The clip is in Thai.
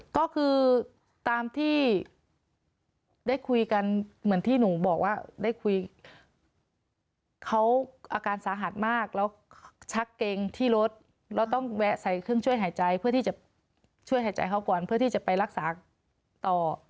ก็คือตามที่ได้คุยกันเหมือนที่หนูบอกว่าได้คุยเขาอาการสาหัสมากแล้วชักเกงที่รถแล้วต้องแวะใส่เครื่องช่วยหายใจเพื่อที่จะช่วยหายใจเขาก่อนเพื่อที่จะไปรักษาต่อ